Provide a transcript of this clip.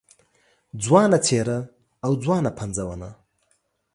ځوانه څېره او ځوانه پنځونه